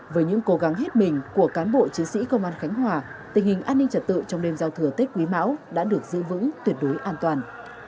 với những cố gắng hết mình của cán bộ chiến sĩ công an khánh hòa tình hình an ninh trật tự trong đêm giao thừa tết quý mão đã được giữ vững tuyệt đối an toàn